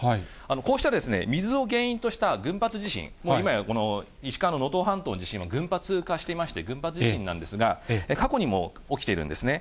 こうした水を原因とした群発地震、今や石川の能登半島の地震は群発化していまして、群発地震なんですが、過去にも起きているんですね。